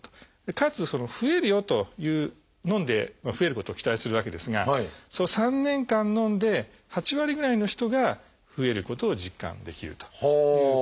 かつ増えるよというのんで増えることを期待するわけですが３年間のんで８割ぐらいの人が増えることを実感できるということなんですね。